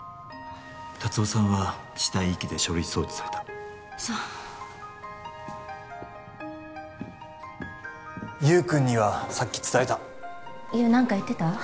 達雄さんは死体遺棄で書類送致されたそう優君にはさっき伝えた優何か言ってた？